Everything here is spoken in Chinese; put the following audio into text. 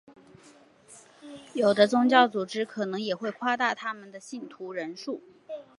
有的宗教组织可能也会夸大他们的信徒人数。